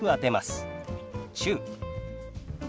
「中」。